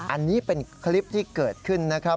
อันนี้เป็นคลิปที่เกิดขึ้นนะครับ